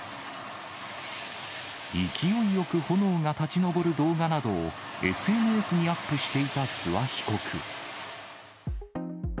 勢いよく炎が立ち上る動画などをＳＮＳにアップしていた諏訪被告。